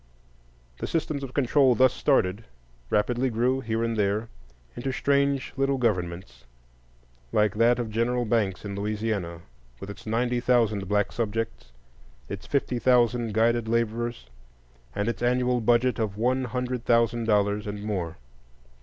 The systems of control, thus started, rapidly grew, here and there, into strange little governments, like that of General Banks in Louisiana, with its ninety thousand black subjects, its fifty thousand guided laborers, and its annual budget of one hundred thousand dollars and more.